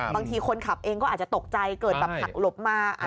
บางทีคนขับเองก็อาจจะตกใจเกิดแบบหักหลบมา